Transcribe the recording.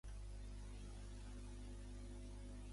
Va jugar a futbol universitari al Nortwestern Oklahoma State.